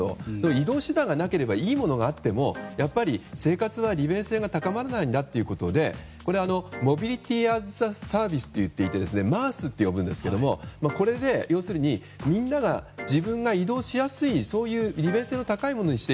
移動手段がなければいいものがあってもやっぱり生活は、利便性が高まらないんだということでモビリティー・アース・ザ・サービスといってマースと呼ぶんですがみんなが、自分が移動しやすい利便性の高いものに使用。